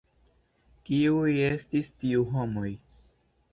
Kiuj estis tiu homoj?